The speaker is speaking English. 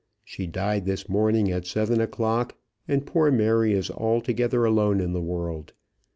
She died this morning at seven o'clock, and poor Mary is altogether alone in the world.